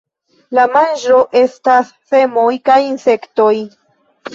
La manĝo estas semoj kaj insektoj.